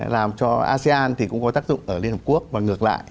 làm cho asean thì cũng có tác dụng ở liên hợp quốc và ngược lại